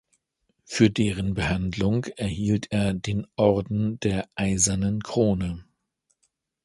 Für deren Behandlung erhielt er den Orden der eisernen Krone.